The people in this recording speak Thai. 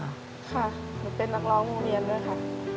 หนูเป็นนักร้องโรงเรียนด้วยค่ะ